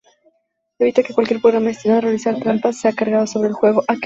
Evita que cualquier programa destinado a realizar trampas sea cargado sobre el juego.